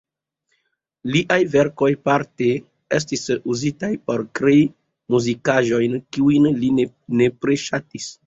Liaj verkoj parte estis uzitaj por krei muzikaĵojn, kiujn li ne nepre ŝatis.